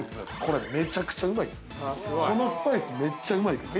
めちゃくちゃうまいわ。